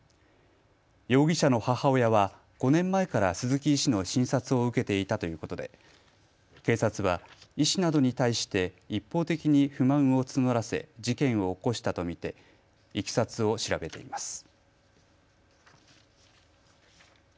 容疑者の母親は５年前から鈴木医師の診察を受けていたということで警察は医師などに対して一方的に不満を募らせ事件を起こしたと見ていきさつを調べています。